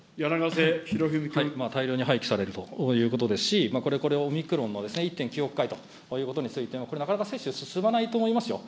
大量に廃棄されるということですし、これ、オミクロンの１．９億回ということについての、これ、なかなか接種進まないと思いますよ。